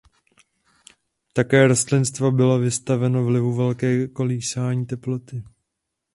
Také rostlinstvo bylo vystaveno vlivu velkého kolísání teploty.